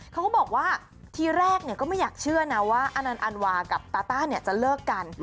เขาก็บอกว่าที่แรกเนี่ยก็ไม่อยากเชื่อนะว่าอันนันวากับตาต้าเนี่ยจะเลิกกัน